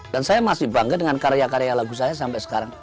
dan saya masih bangga dengan karya karya lagu saya sampai sekarang